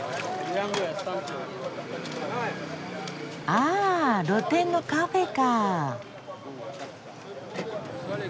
あ露店のカフェか。